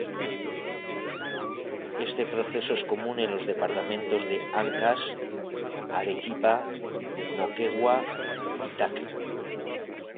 Este proceso es común en los departamentos de Áncash, Arequipa, Moquegua y Tacna.